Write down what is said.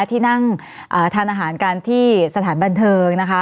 ที่นั่งทานอาหารกันที่สถานบันเทิงนะคะ